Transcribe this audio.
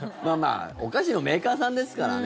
お菓子のメーカーさんですからね。